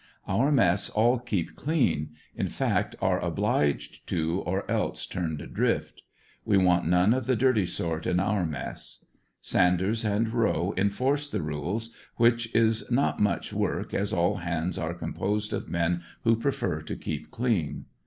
Our mess all keep clean, in fact are oblige! to or else turned adrift. We want none of the dirty sort in our mess. Sanders and Rowe enforce the rules, which is not much work, as all hands are composed of men who prefer to keep clean.